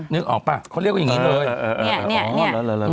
นึกออกป่ะเขาเรียกว่าอย่างนี้เลย